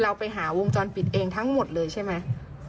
เราไปหาวงจรปิดเองทั้งหมดเลยใช่ไหม